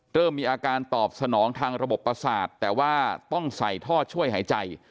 เริ่มมีอาการตอบสนองทางระบบประสาทแต่ว่าต้องใส่ท่อช่วยหายใจ